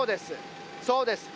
そうです。